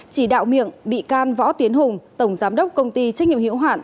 chỉ đạo miệng bị can võ tiến hùng tổng giám đốc công ty trách nhiệm hiệu hạn